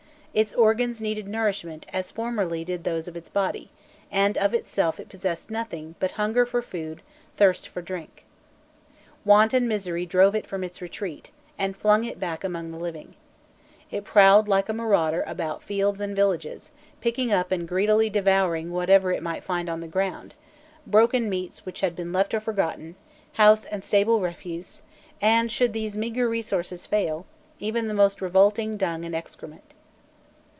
Its organs needed nourishment as formerly did those of its body, and of itself it possessed nothing "but hunger for food, thirst for drink."[*] Want and misery drove it from its retreat, and flung it back among the living. It prowled like a marauder about fields and villages, picking up and greedily devouring whatever it might find on the ground broken meats which had been left or forgotten, house and stable refuse and, should these meagre resources fail, even the most revolting dung and excrement.